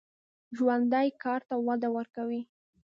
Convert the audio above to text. ژوندي کار ته وده ورکوي